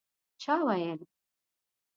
چا ویل